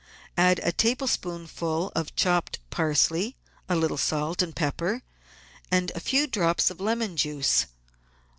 Add a tablespoonful of chopped parsley, a little salt and pepper, and a few drops of lemon juice.